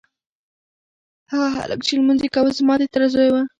هغه هلک چې لمونځ یې کاوه زما د تره زوی و.